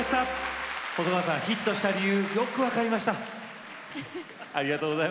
ヒットした理由よく分かりました。